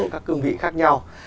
các cương vị khác nhau